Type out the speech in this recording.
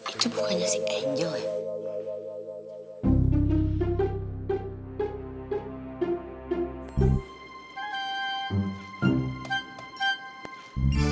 itu bukannya si angel ya